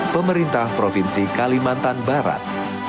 pemerintah provinsi kalimantan barat